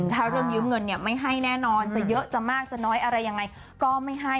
ถ้าเรื่องยืมเงินเนี่ยไม่ให้แน่นอนจะเยอะจะมากจะน้อยอะไรยังไงก็ไม่ให้